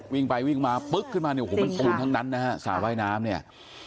วิ่งไปวิ่งมาปึ๊กขึ้นมาเนี่ยโอ้โหมันปูนทั้งนั้นนะฮะสระว่ายน้ำเนี่ย